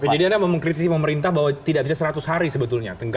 jadi anda mengkritisi pemerintah bahwa tidak bisa seratus hari sebetulnya